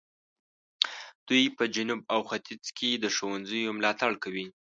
دوی په جنوب او ختیځ کې د ښوونځیو ملاتړ کوي.